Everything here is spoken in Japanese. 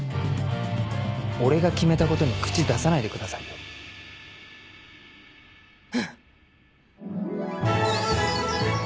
俺が決めたことに口出さないでくださいよ？